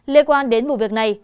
liên quan đến vụ việc này